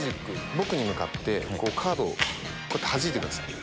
僕に向かってカードをこうやってはじいてください。